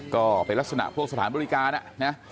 ก็เป็นลักษณะพวกสถานบริการนะ